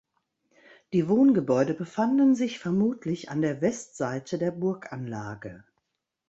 Die Wohngebäude befanden sich vermutlich an der Westseite der Burganlage.